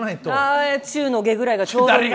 ああ中の下ぐらいがちょうどいい。